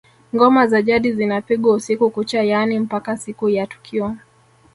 Ngoma za jadi zinapigwa usiku kucha yaani mpaka siku ya tukio